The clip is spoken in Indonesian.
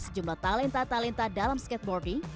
sejumlah talenta talenta dalam skateboarding